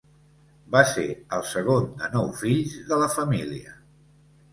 Va ser el segon de nou fills de la família.